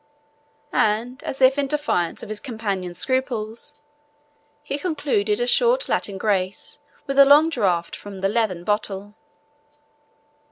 And, as if in defiance of his companion's scruples, he concluded a short Latin grace with a long draught from the leathern bottle.